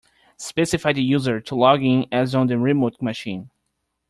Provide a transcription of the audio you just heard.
Specify the user to log in as on the remote machine.